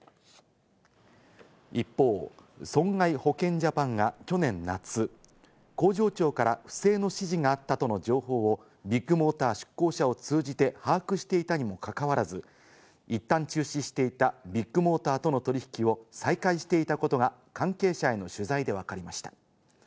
一方、損害保険ジャパンが去年夏、工場長から不正の指示があったとの情報をビッグモーター出向者を通じて把握していたにもかかわらず、いったん中止していたビッグモーターとの取引を再開していたことが関係者への取材でわかりました。